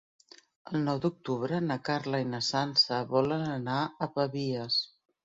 El nou d'octubre na Carla i na Sança volen anar a Pavies.